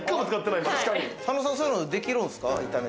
佐野さん、そういうのできるんですか？